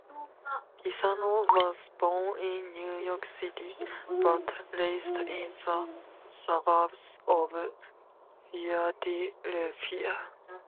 Pisano was born in New York City but raised in the suburbs of Philadelphia.